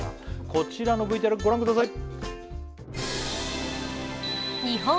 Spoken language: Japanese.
こちらのＶＴＲご覧ください